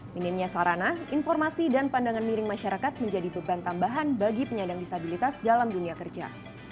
minimnya sarana informasi dan pandangan miring masyarakat menjadi beban tambahan bagi penyandang disabilitas dalam dunia kerja